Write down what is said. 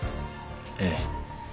ええ。